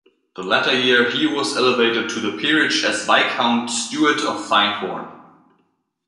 The latter year he was elevated to the peerage as Viscount Stuart of Findhorn.